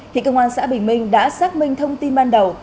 thì công an xã bình minh đã xác minh thông tin ban đầu